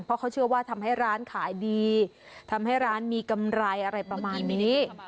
เพราะเขาเชื่อว่าทำให้ร้านขายดีทำให้ร้านมีกำไรอะไรประมาณนี้